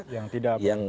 yang tidak apa